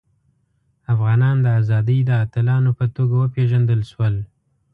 افغانان د ازادۍ د اتلانو په توګه وپيژندل شول.